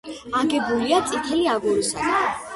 აგებულია წითელი აგურისაგან.